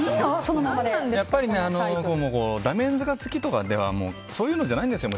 やっぱりダメンズが好きとかそういうのじゃないんですよ。